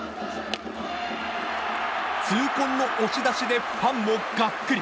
痛恨の押し出しでファンもがっくり。